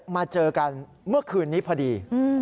มาเจอกันเมื่อคืนนี้พอดี